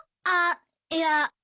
あっいや。